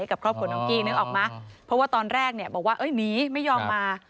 ให้กับครอบครัวของน้องกี้นึกออกไหมเพราะว่าตอนแรกบอกว่าหนีไม่ยอมมา